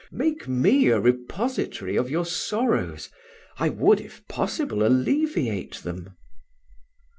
Make me a repository of your sorrows: I would, if possible, alleviate them."